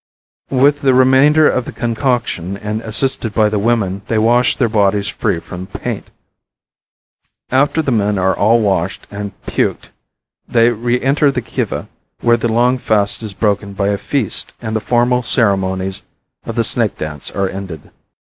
With the remainder of the concoction, and assisted by the women, they wash their bodies free from paint. After the men are all washed and puked they re enter the Kiva, where the long fast is broken by a feast and the formal ceremonies of the snake dance are ended.